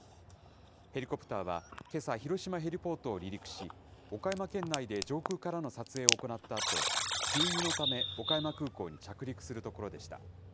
ヘリコプターはけさ、広島ヘリポートを離陸し、岡山県内で上空からの撮影を行ったあと、給油のため、岡山空港に着陸するところでした。